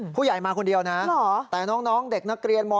ผู้ใหญ่มาคนเดียวนะแต่น้องเด็กนักเรียนม๔